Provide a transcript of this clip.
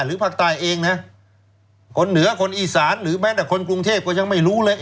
ภาคใต้เองนะคนเหนือคนอีสานหรือแม้แต่คนกรุงเทพก็ยังไม่รู้เลย